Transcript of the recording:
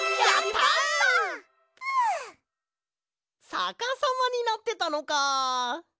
さかさまになってたのか！